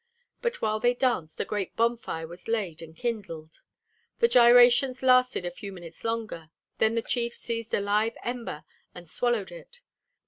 But while they danced a great bonfire was laid and kindled. The gyrations lasted a few minutes longer, then the chief seized a live ember and swallowed it.